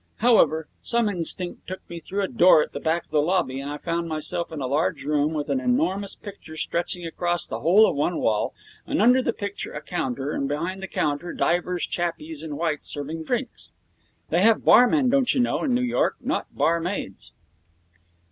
However, some instinct took me through a door at the back of the lobby, and I found myself in a large room with an enormous picture stretching across the whole of one wall, and under the picture a counter, and behind the counter divers chappies in white, serving drinks. They have barmen, don't you know, in New York, not barmaids.